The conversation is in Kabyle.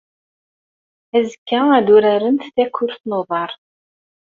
Azekka, ad urarent takurt n uḍar.